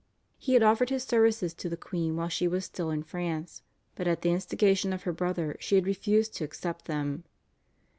He had offered his services to the queen while she was still in France, but at the instigation of her brother she had refused to accept them.